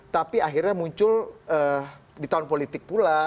tapi akhirnya muncul di tahun politik pula